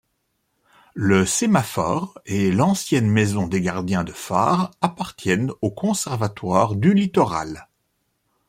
Le sémaphore et l'ancienne maison des gardiens de phare appartiennent au Conservatoire du Littoral.